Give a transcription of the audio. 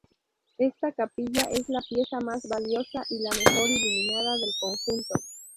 Esta Capilla es la pieza más valiosa y la mejor iluminada del conjunto.